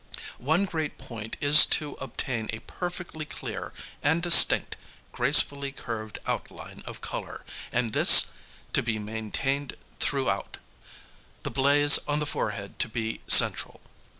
One great point is to obtain a perfectly clear and distinct gracefully curved outline of colour, and this to be maintained throughout; the blaze on the forehead to be central.